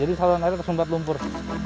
jadi saluran air tersumbat lumpur